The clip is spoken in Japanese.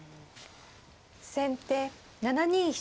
先手７二飛車。